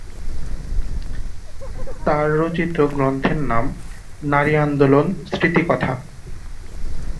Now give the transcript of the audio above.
তার রচিত গ্রন্থের নাম 'নারী আন্দোলন: স্মৃতিকথা'।